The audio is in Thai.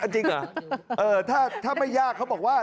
จริงเหรอถ้าไม่ยากเขาบอกว่า